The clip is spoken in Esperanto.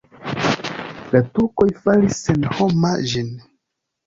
La turkoj faris senhoma ĝin.